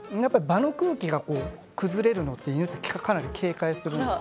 場の空気が崩れるのを犬ってかなり警戒するんですよね。